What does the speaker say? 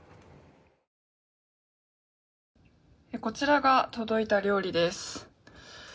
こちらが届いた料理です。